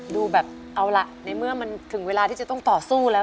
ดูแบบเอาล่ะในเมื่อมันถึงเวลาที่จะต้องต่อสู้แล้ว